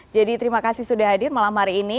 jadi terima kasih sudah hadir malam hari ini